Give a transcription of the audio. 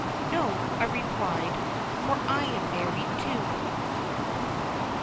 "_No," I replied, "for I am married, too.